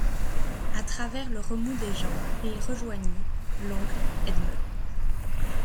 A travers le remous des gens, il rejoignit l'oncle Edme.